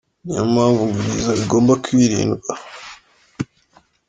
Niyo mpamvu ngo ibiza bigomba kwirindwa.